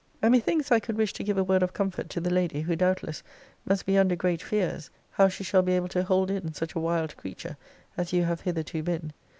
And methinks I could wish to give a word of comfort to the lady, who, doubtless, must be under great fears, how she shall be able to hold in such a wild creature as you have hitherto been.